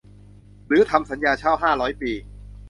หรือทำสัญญาเช่าห้าร้อยปี